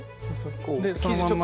こうそのまんま。